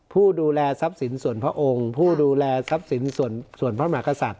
ผู้ดูแลทรัพย์สินส่วนพระองค์ผู้ดูแลทรัพย์สินส่วนพระมหากษัตริย